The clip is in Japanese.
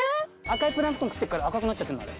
赤いプランクトン食ってるから赤くなっちゃってるのあれ。